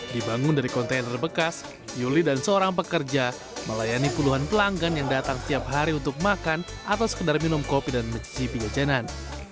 dibangun dari kontainer bekas yuli dan seorang pekerja melayani puluhan pelanggan yang datang tiap hari untuk makan atau sekedar minum kopi dan mencicipi jajanan